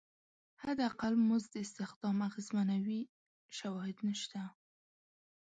حداقل مزد استخدام اغېزمنوي شواهد نشته.